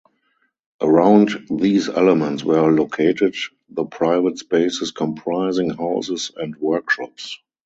Around these elements were located the private spaces comprising houses and workshops.